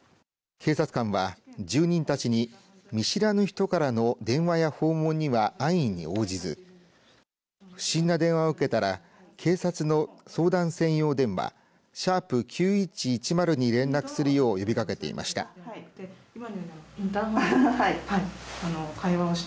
警察官は住人たちに見知らぬ人からの電話や訪問には安易に応じず不審な電話を受けたら警察の相談専用電話＃９１１０に連絡するよう呼びかけていました。